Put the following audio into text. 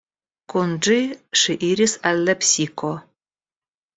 Kun ĝi ŝi iris al Lepsiko.